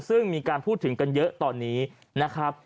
ซึ่งมีการพูดถึงกันเยอะตอนนี้นะครับ